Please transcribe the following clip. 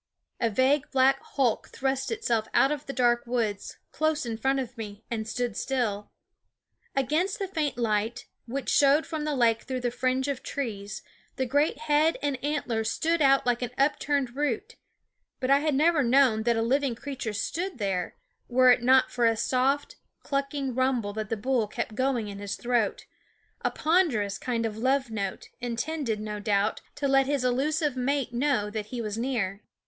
A vague black hulk thrust itself out of the dark woods, close in front of me, and stood still. Against the faint light, which showed from the lake through the fringe of trees, the great head and antlers stood out like an upturned root ; but I had never known that a living creature stood there were it not for a soft, clucking rumble that the bull kept going in his throat, a ponderous kind of love note, intended, no doubt, to let his elusive mate know that he was near.